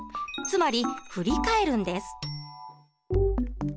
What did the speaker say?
つまり振り替えるんです。